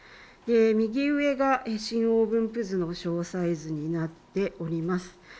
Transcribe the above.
右上が震央分布図の詳細図になっております。